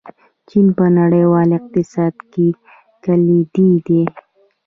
چین په نړیوال اقتصاد کې کلیدي دی.